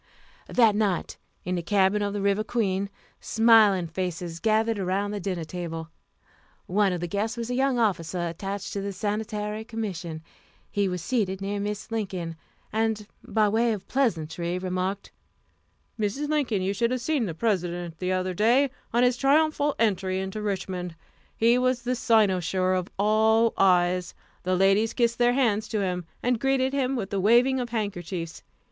That night, in the cabin of the River Queen, smiling faces gathered around the dinner table. One of the guests was a young officer attached to the Sanitary Commission. He was seated near Mrs. Lincoln, and, by way of pleasantry, remarked: "Mrs. Lincoln, you should have seen the President the other day, on his triumphal entry into Richmond. He was the cynosure of all eyes. The ladies kissed their hands to him, and greeted him with the waving of handkerchiefs.